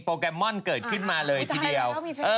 ก็มีโปเกมอนเกิดขึ้นมาเลยทีเดียว